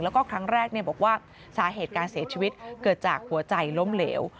แล้วก็ครั้งแรกบอกว่าสาเหตุการเสียชีวิตเกิดจากหัวใจล้มเหลว